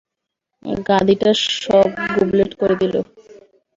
গাধীটা সব গুবলেট করে দিলো।